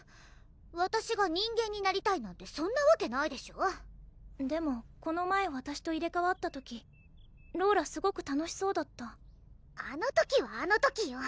わたしが人間になりたいなんてそんなわけないでしょでもこの前わたしと入れ代わった時ローラすごく楽しそうだったあの時はあの時よ